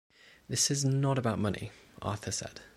"This is not about money," Arthur said.